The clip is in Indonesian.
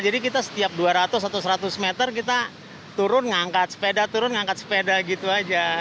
jadi kita setiap dua ratus atau seratus meter kita turun ngangkat sepeda turun ngangkat sepeda gitu aja